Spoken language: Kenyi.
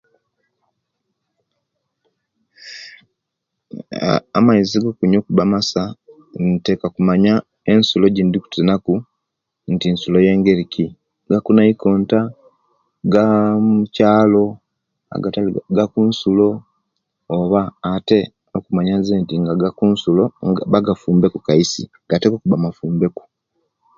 Amaizi gokunyuwa okuba amasa nteka kumanya ensulo ejendi kusena ku nti insulo yengeriki ya kunaikonta gaa'muchalo agatali gakunsulo oba ate okumanya nzenti nga gakunsulo gataka okufumba ku kaisi gateka okuba mafumbe